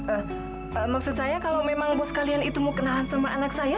eh maksud saya kalau memang bos kalian itu mau kenalan sama anak saya